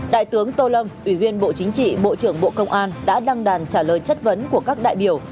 đại tướng tô lâm ủy viên bộ chính trị bộ trưởng bộ công an đã đăng đàn trả lời chất vấn của các đại biểu